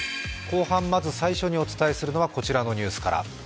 後半まず最初にお伝えするのはこちらのニュースから。